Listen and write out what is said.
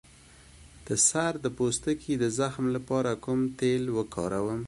د سر د پوستکي د زخم لپاره کوم تېل وکاروم؟